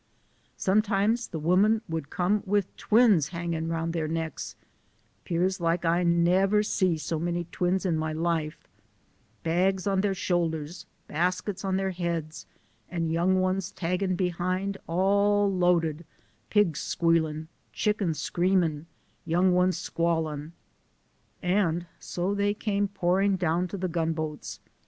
Some times de women would come wid twins lian<nn' O roun' der necks; 'pears like I nebbcr see so many twins in my life; bags on der shoulders, baskets on der heads, and young ones taggin' behin', all loaded ; pigs squealin", chickens screamin', young ones squal lin'." And so they came pouring down to the gun boats.